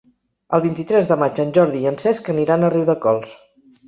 El vint-i-tres de maig en Jordi i en Cesc aniran a Riudecols.